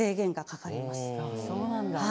そうなんだ。